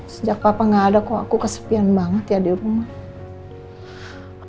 sejak papa gak ada kok aku kesepian banget ya di rumah